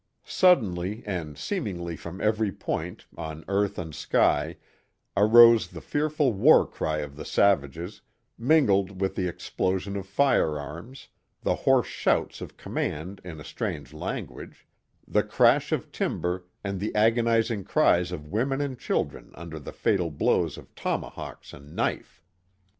62 The Mohawk Valley Suddenly, and seemingly from every point, on earth and sky, arose the fearful war cry of the savages, mingled with the ex plosion of firearms, the hoarse shouts of command in a strange language, the crash* of timber and the agonizing cries of women and children under the fatal blows of tomahawk and knife.